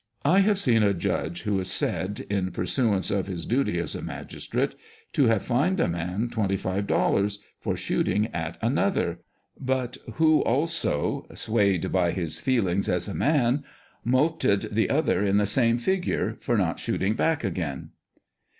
I have seen a judge who is said, in pursu ance of his duty as a magistrate, to have fined a man twenty five dollars for shooting at an other, but who also (swayed by his feelings as a man) mulcted the other in the same figure, for not shooting back again.